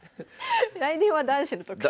来年は男子の特集。